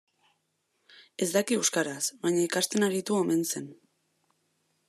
Ez daki euskaraz, baina ikasten aritu omen zen.